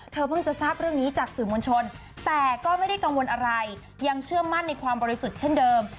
เพิ่งจะทราบเรื่องนี้จากสื่อมวลชนแต่ก็ไม่ได้กังวลอะไรยังเชื่อมั่นในความบริสุทธิ์เช่นเดิม